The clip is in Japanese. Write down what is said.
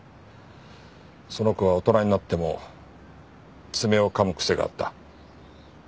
その子は大人になっても爪を噛むくせがあった。